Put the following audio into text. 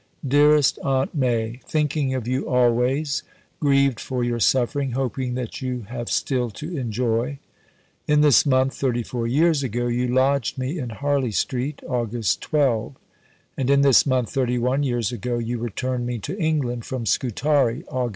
DEAREST AUNT MAI Thinking of you always, grieved for your suffering, hoping that you have still to enjoy. In this month 34 years ago you lodged me in Harley St. (Aug. 12). And in this month 31 years ago you returned me to England from Scutari (Aug.